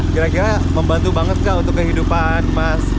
kira kira membantu banget kak untuk kehidupan mas